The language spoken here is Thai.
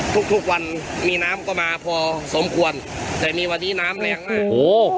ทุกทุกวันมีน้ำก็มาพอสมควรแต่นี่วันนี้น้ำแรงน่ะโอห์